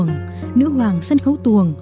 nữ hoàng sân khấu tù